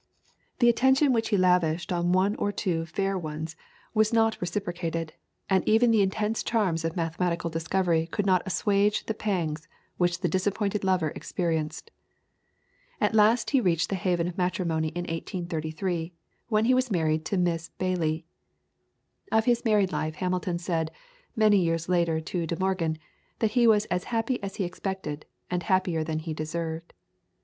The attention which he lavished on one or two fair ones was not reciprocated, and even the intense charms of mathematical discovery could not assuage the pangs which the disappointed lover experienced. At last he reached the haven of matrimony in 1833, when he was married to Miss Bayly. Of his married life Hamilton said, many years later to De Morgan, that it was as happy as he expected, and happier than he deserved.